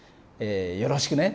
よろしくね。